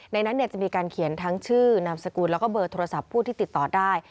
นั้นจะมีการเขียนทั้งชื่อนามสกุลแล้วก็เบอร์โทรศัพท์ผู้ที่ติดต่อได้